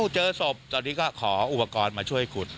เจอศพตอนนี้ก็ขออุปกรณ์มาช่วยขุด